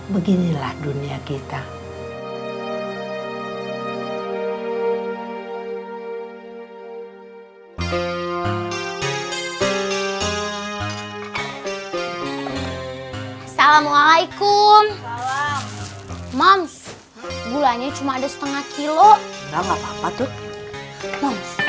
beginilah dunia kita